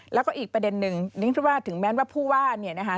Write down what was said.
แล้วก็อีกประเด็นหนึ่งนึกถึงแม้ว่าผู้ว่า